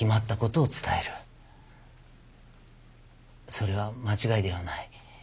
それは間違いではない。